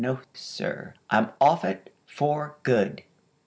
No, sir; I'm off it, _for good!